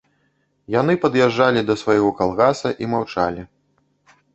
Яны пад'язджалі да свайго калгаса і маўчалі.